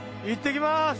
いってきます。